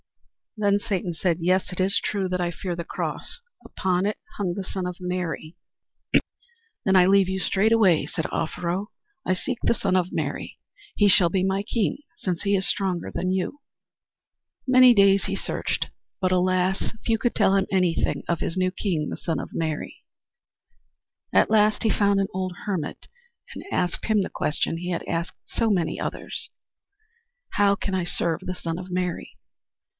Then Satan said, "Yes, it is true that I fear the cross. Upon it hung the Son of Mary." "Then I leave you straightway," said Offero. "I seek the Son of Mary. He shall be my king, since he is stronger than you." Many days he searched, but alas! few could tell him anything of his new king, the Son of Mary. At last he found an old hermit and asked him the question he had asked so many others. "How can I serve the Son of Mary?"